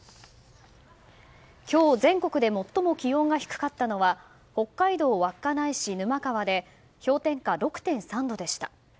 今日、全国で最も気温が低かったのは北海道稚内市沼川で氷点下６．３度でした。